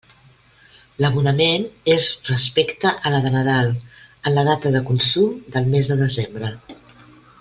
L'abonament és respecte a la de Nadal en la data de costum del mes de desembre.